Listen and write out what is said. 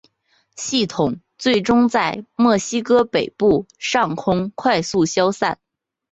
系统最终在墨西哥北部上空快速消散。